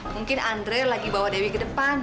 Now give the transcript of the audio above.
mungkin andre lagi bawa dewi ke depan